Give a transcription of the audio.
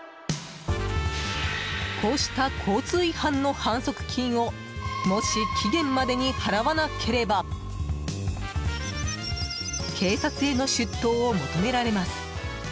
こうした交通違反の反則金をもし、期限までに払わなければ警察への出頭を求められます。